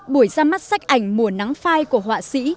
buổi ra mắt sách ảnh mùa nắng phai của họa sĩ